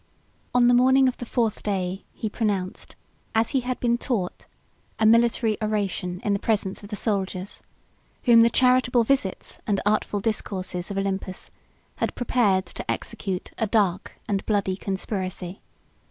On the morning of the fourth day, he pronounced, as he had been taught, a military oration in the presence of the soldiers, whom the charitable visits, and artful discourses, of Olympius had prepared to execute a dark and bloody conspiracy.